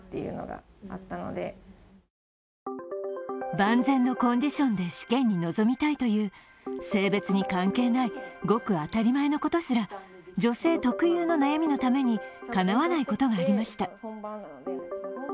万全のコンディションで試験に臨みたいという性別に関係ないごく当たり前のことすら女性特有の悩みのために、かなわないことがありました。